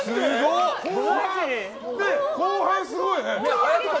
後半すごいね。